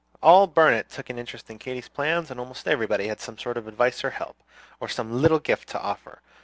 All Burnet took an interest in Katy's plans, and almost everybody had some sort of advice or help, or some little gift to offer.